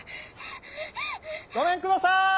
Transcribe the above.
ごめんくださーい！